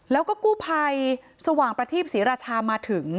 แล้วก็กู้ภัยสว่างประทีปศรีราชามาถึง